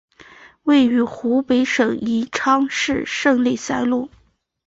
位于湖北省宜昌市胜利三路。